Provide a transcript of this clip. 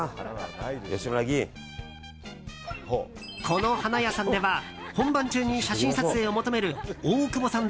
この花屋さんでは本番中に写真撮影を求める大久保さん